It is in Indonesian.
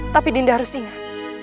tapi dinda harus ingat